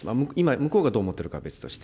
向こうがどう思っているかは別として。